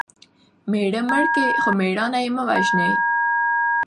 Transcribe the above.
مېړه مړ کى؛ خو مړانه ئې مه وژنئ!